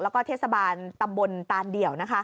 แล้วก็เทศบาลตำบลตานเดี่ยว